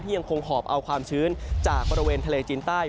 ยังคงหอบเอาความชื้นจากบริเวณทะเลจีนใต้